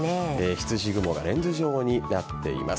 羊雲がレンズ状になっています。